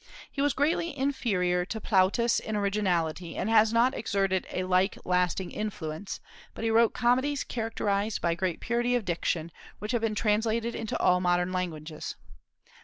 He was greatly inferior to Plautus in originality, and has not exerted a like lasting influence; but he wrote comedies characterized by great purity of diction, which have been translated into all modern languages.